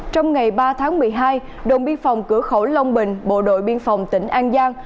trong ngày ba tháng một mươi hai đồn biên phòng cửa khẩu long bình bộ đội biên phòng tỉnh an giang